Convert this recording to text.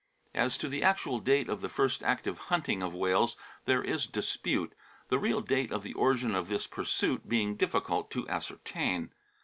As to the actual date of the first active hunting of whales there is dispute, the real date of the origin of this pursuit being difficult to ascertain.